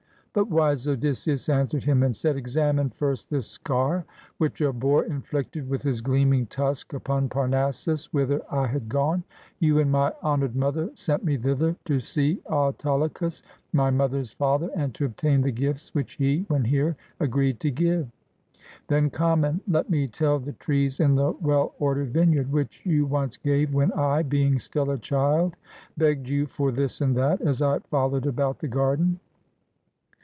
But wise Odysseus answered him and said: "Examine first this scar, which a boar inflicted with his gleaming tusk upon Parnassus, whither I had gone. You and my honored mother sent me thither, to see Autolycus, my mother's father and to obtain the gifts which he, when here, agreed to give. Then come, and let me tell the trees in the well ordered vineyard, which you once gave, when I, being still a child, begged you for this and that, as I followed about the garden.